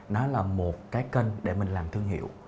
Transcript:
nó là một cái kênh để mình làm thương hiệu